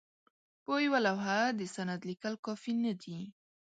په یوه لوحه د سند لیکل کافي نه دي.